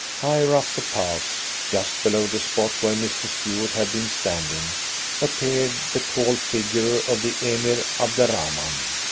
Higher up the pass, just below the spot where Mr. Stuart had been standing, appeared the tall figure of the Emir Abderrahman.